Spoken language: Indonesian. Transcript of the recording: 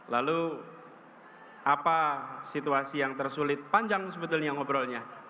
lalu apa situasi yang tersulit panjang sebetulnya ngobrolnya